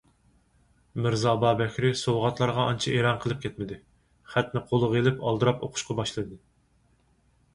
مىرزا ئابابەكرى سوۋغاتلارغا ئانچە ئېرەن قىلىپ كەتمىدى، خەتنى قولىغا ئېلىپ ئالدىراپ ئوقۇشقا باشلىدى.